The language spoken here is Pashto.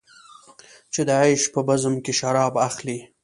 چې د عیش په بزم کې شراب اخلې.